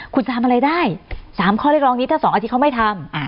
คุณทำอะไรได้๓ข้อเรียกร้องนี้ถ้า๒อาทิตย์เขาไม่ทำ